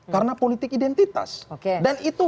karena politik identitas dan itu